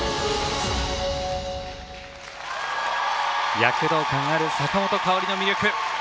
躍動感ある坂本花織の魅力。